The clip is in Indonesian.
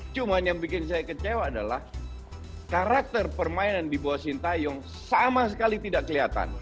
cuma yang bikin saya kecewa adalah karakter permainan di bawah sintayong sama sekali tidak kelihatan